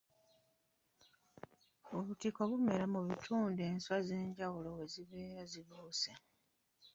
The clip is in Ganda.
Obutiko bumera mu bitundu enswa ez'enjawulo we zibeera zibuuse.